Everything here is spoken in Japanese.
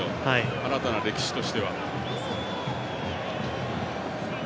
新たな歴史としては。